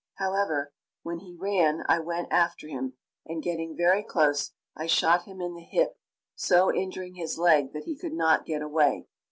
However, when he ran I went after him, and, getting very close, I shot him in the hip, so injuring his leg that he could not get away.